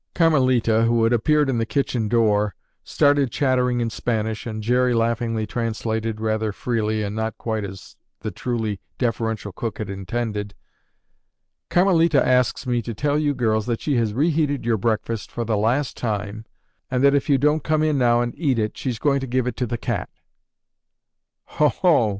Carmelita, who had appeared in the kitchen door, started chattering in Spanish and Jerry laughingly translated, rather freely, and not quite as the truly deferential cook had intended. "Carmelita asks me to tell you girls that she has reheated your breakfast for the last time and that if you don't come in now and eat it, she's going to give it to the cat." "Oho!"